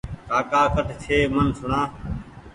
ڪاڪا ڪٺ ڇي ميٚن سوڻا